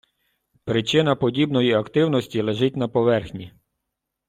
Причина подібної активності лежить на поверхні.